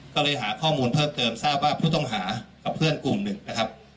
ก็เลยหาข้อมูลเพิ่มเติมทราบว่าผู้ต้องหากับเพื่อนกลุ่มหนึ่งนะครับ